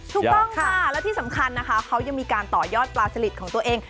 ถูกต้องค่ะแล้วที่สำคัญนะคะเขายังมีการต่อยอดปลาสลิดของตัวเอง